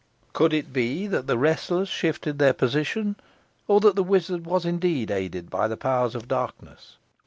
Could it be that the wrestlers shifted their position, or that the wizard was indeed aided by the powers of darkness?